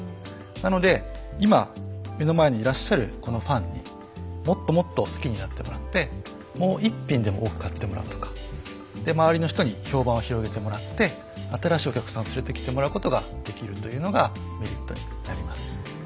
なので今目の前にいらっしゃるこのファンにもっともっと好きになってもらってもう１品でも多く買ってもらうとかで周りの人に評判を広げてもらって新しいお客さんを連れてきてもらうことができるというのがメリットになります。